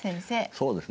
そうですね。